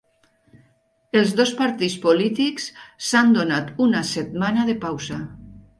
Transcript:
Els dos partits polítics s'han donat una setmana de pausa